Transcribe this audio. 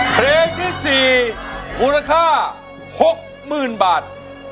เพลงที่๔มูลค่า๖๐๐๐๐บาท